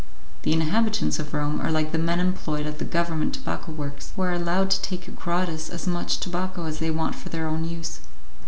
The inhabitants of Rome are like the men employed at the Government tobacco works, who are allowed to take gratis as much tobacco as they want for their own use.